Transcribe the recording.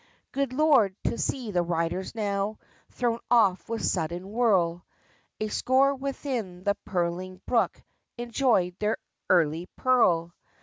Good Lord! to see the riders now, Thrown off with sudden whirl, A score within the purling brook, Enjoyed their "early purl."